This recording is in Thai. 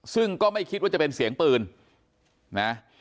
ซึ่งก็ไม่คิดว่าจะเป็นเสียงปืนนะ